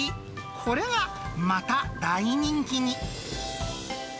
これがまた大人気に。